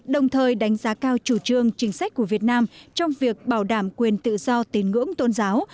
đồng thời đánh giá cao chủ trương chính sách của việt nam trong việc bảo đảm quyền tự do tín ngưỡng tôn giáo